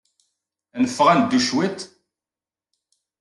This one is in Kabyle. Ad neffeɣ ad neddu cwiṭ?